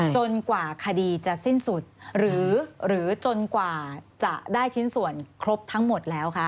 จนกว่าคดีจะสิ้นสุดหรือจนกว่าจะได้ชิ้นส่วนครบทั้งหมดแล้วคะ